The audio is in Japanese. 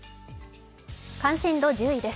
関心度１０位です。